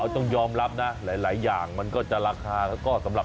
ต้องยอมรับนะหลายอย่างมันก็จะราคา